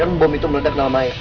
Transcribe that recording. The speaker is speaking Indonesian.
kalaupun bom itu meledak